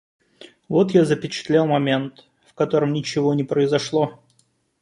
Вот я запечатлел момент, в котором ничего не произошло.